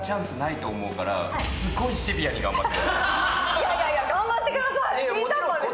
いやいや、頑張ってくださいよ。